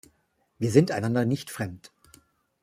Wir sind einander nicht fremd.